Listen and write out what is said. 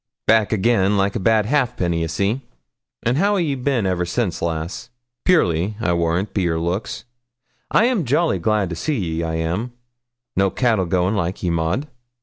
'Back again, like a bad halfpenny, ye see. And how a' ye bin ever since, lass? Purely, I warrant, be your looks. I'm jolly glad to see ye, I am; no cattle going like ye, Maud.'